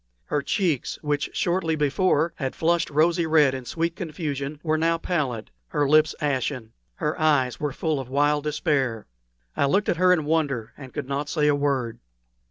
Her cheeks, which shortly before had flushed rosy red in sweet confusion, were now pallid, her lips ashen; her eyes were full of a wild despair. I looked at her in wonder, and could not say a word.